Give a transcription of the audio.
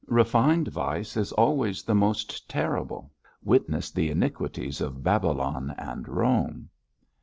'Refined vice is always the most terrible. Witness the iniquities of Babylon and Rome.'